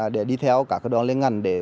để đi theo các đoàn liên ngành